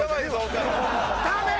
ダメ！